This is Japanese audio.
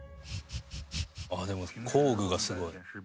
でも工具がすごい。